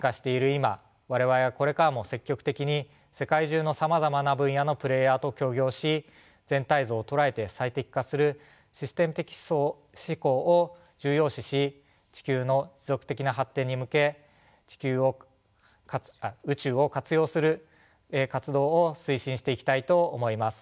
今我々はこれからも積極的に世界中のさまざまな分野のプレーヤーと協業し全体像を捉えて最適化するシステム的思考を重要視し地球の持続的な発展に向け宇宙を活用する活動を推進していきたいと思います。